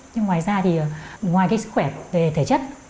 nhưng ngoài ra thì ngoài cái sức khỏe về thể chất